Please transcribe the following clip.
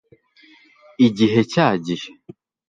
igihe cyagiye